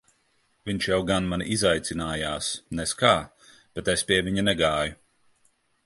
Viņš jau gan mani izaicinājās nez kā, bet es pie viņa negāju.